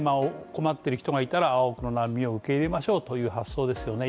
困ってる人がいたら多くの難民を受け入れましょうという発想ですよね